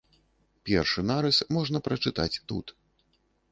Першы нарыс можна прачытаць тут.